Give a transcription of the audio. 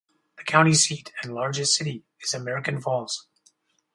The county seat and largest city is American Falls.